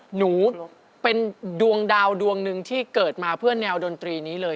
หนูเป็นดวงดาวดวงหนึ่งที่เกิดมาเพื่อแนวดนตรีนี้เลย